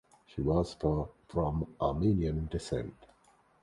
She was from Armenian descent.